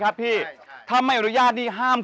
ชื่องนี้ชื่องนี้ชื่องนี้ชื่องนี้ชื่องนี้